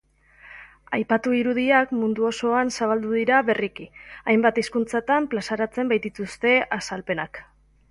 Aipatu irudiak mundu osoan zabaldu dira berriki, hainbat hizkuntzatan plazaratzen baitituzte azalpenak.